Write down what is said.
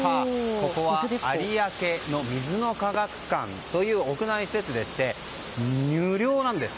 ここは有明の水の科学館という屋内施設でして無料なんです。